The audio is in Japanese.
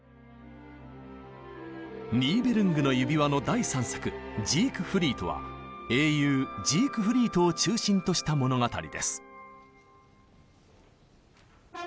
「ニーベルングの指環」の第３作「ジークフリート」は英雄ジークフリートを中心とした物語です。